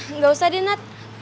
enggak usah deh nath